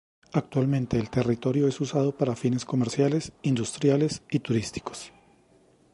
Actualmente el territorio es usado para fines comerciales, industriales y turísticos.